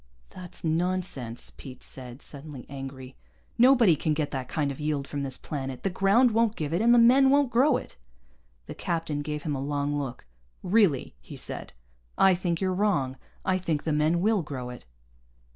"That's nonsense," Pete said, suddenly angry. "Nobody can get that kind of yield from this planet. The ground won't give it, and the men won't grow it." The captain gave him a long look. "Really?" he said. "I think you're wrong. I think the men will grow it."